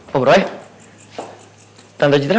pak relembar ibu